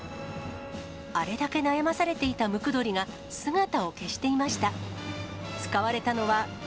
あれだけ悩まされていたムクドリが、姿を消していました。